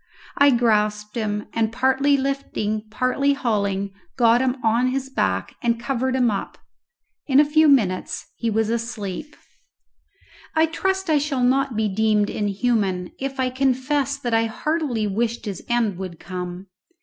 I grasped him, and partly lifting, partly hauling, got him on his back and covered him up. In a few minutes he was asleep. I trust I shall not be deemed inhuman if I confess that I heartily wished his end would come.